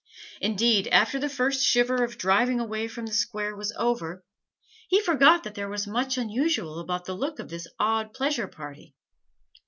Indeed, after the first shiver of driving away from the square was over, he forgot that there was much unusual about the look of this odd pleasure party.